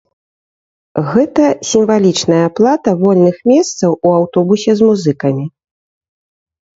Гэта сімвалічная аплата вольных месцаў у аўтобусе з музыкамі.